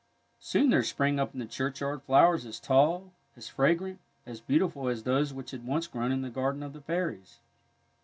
Soon there sprang up in the churchyard flowers as tall, as fragrant, as beautiful as those which had once grown in the garden of the fairies.